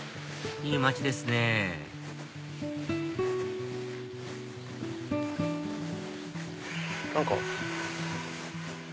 いい街ですね何か。